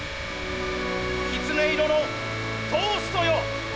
きつね色のトーストよ。